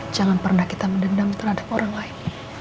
jangan pernah kita mendendam terhadap orang lain